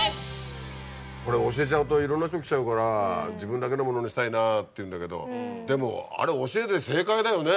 これ教えちゃうといろんな人来ちゃうから自分だけのものにしたいなっていうんだけどでもあれ教えて正解だよね。